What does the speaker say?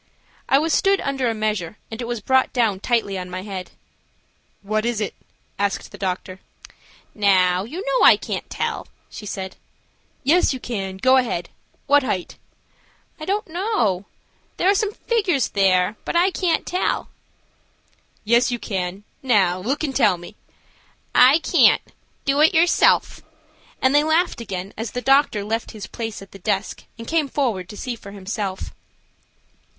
I was stood under a measure, and it was brought down tightly on my head. "What is it?" asked the doctor. "Now you know I can't tell," she said. "Yes, you can; go ahead. What height?" "I don't know; there are some figures there, but I can't tell." "Yes, you can. Now look and tell me." "I can't; do it yourself," and they laughed again as the doctor left his place at the desk and came forward to see for himself.